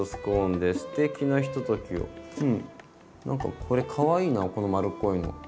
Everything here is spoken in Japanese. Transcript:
なんかこれかわいいなこの丸っこいの。